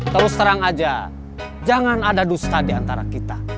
terus terang aja jangan ada dusta di antara kita